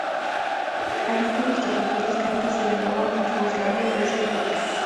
Habita en los territorios que antes se llamaban Yugoslavia, Grecia y Turquía.